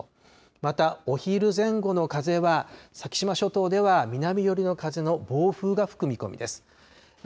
また、お昼前後の風は、先島諸島では南寄りの風の暴風が吹く見込みです。